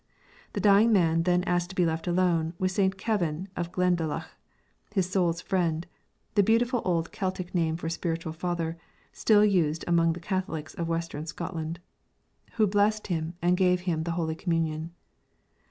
The dying man then asked to be left alone with St. Kevin of Glendalough, his soul's friend (the beautiful old Celtic name for spiritual father still in use among the Catholics of western Scotland), who blessed him and gave him the Holy Communion.